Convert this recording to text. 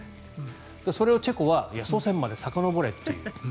それをチェコは祖先までさかのぼれっていう。